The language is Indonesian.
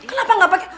kenapa gak pake